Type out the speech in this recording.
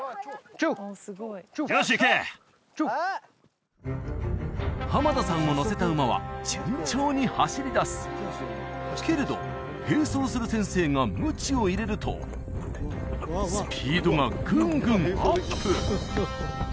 チュー濱田さんを乗せた馬は順調に走りだすけれど並走する先生が鞭を入れるとスピードがぐんぐんアップ